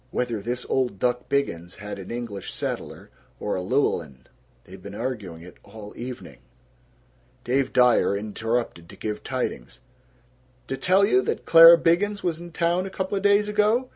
("Whether this old duck Biggins had an English setter or a Llewellyn. They've been arguing it all evening!") Dave Dyer interrupted to give tidings, "D' tell you that Clara Biggins was in town couple days ago?